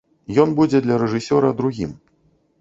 Ён будзе для рэжысёра другім.